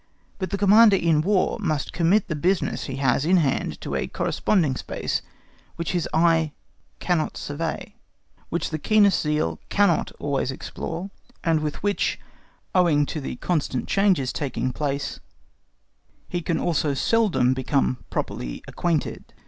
But the Commander in War must commit the business he has in hand to a corresponding space which his eye cannot survey, which the keenest zeal cannot always explore, and with which, owing to the constant changes taking place, he can also seldom become properly acquainted.